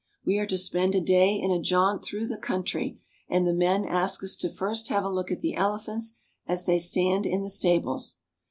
We are to spend a day in a jaunt through the country ; and the men ask us to first have a look at the elephants as they stand in the stables.